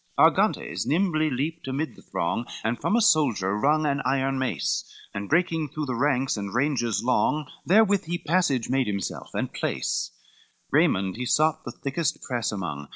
CVII Argantes nimbly leapt amid the throng, And from a soldier wrung an iron mace, And breaking through the ranks and ranges long, Therewith he passage made himself and place, Raymond he sought, the thickest press among.